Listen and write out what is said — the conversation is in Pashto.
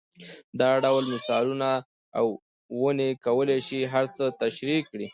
دا ډول مثالونه او ونې کولای شي هر څه تشرېح کړي.